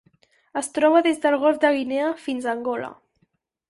Es troba des del Golf de Guinea fins a Angola.